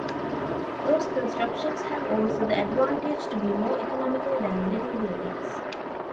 Those constructions have also the advantage to be more economical than little buildings.